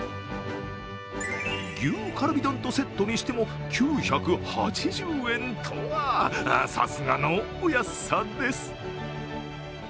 牛かるび丼とセットにしても９８０円とは、さすがのお安さです。